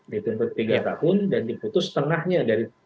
dituntut tiga tahun dan diputus setengahnya dari